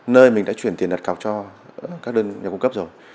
nơi mình đã chuyển tiền đặt cọc cho các đơn nhà cung cấp rồi